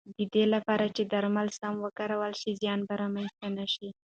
د دې لپاره چې درمل سم وکارول شي، زیان به رامنځته نه شي.